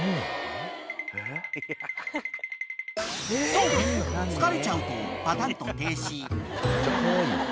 ［そう疲れちゃうとパタンと停止］